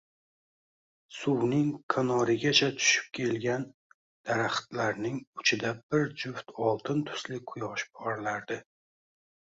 Suvning kanorigacha tushib kelgan daraxtlarning uchida bir juft oltin tusli quyosh porlardi.